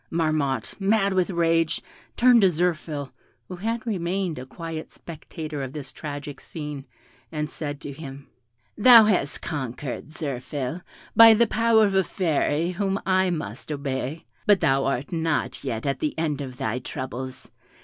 Marmotte, mad with rage, turned to Zirphil, who had remained a quiet spectator of this tragic scene, and said to him, "Thou hast conquered, Zirphil, by the power of a fairy whom I must obey; but thou art not yet at the end of thy troubles.